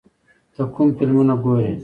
ته کوم فلمونه ګورې؟